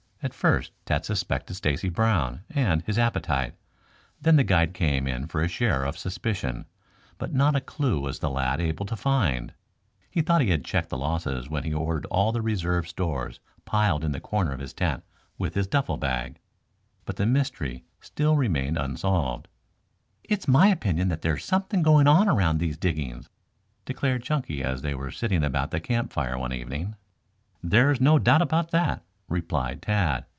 At first Tad suspected Stacy Brown and his appetite; then the guide came in for a share of suspicion, but not a clue was the lad able to find. He thought he had checked the losses when he ordered all the reserve stores piled in the corner of his tent with his duffle bag, but the mystery still remained unsolved. "It's my opinion that there's something going on around these diggings," declared Chunky as they were sitting about the campfire one evening. "There is no doubt about that," replied Tad.